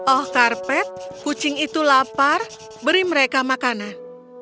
oh karpet kucing itu lapar beri mereka makanan